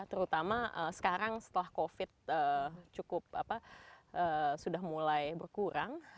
terutama sekarang setelah covid cukup sudah mulai berkurang